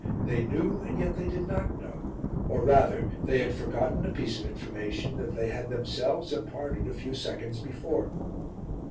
They knew, and yet they did not know; or, rather, they had forgotten a piece of information that they had themselves imparted a few seconds before.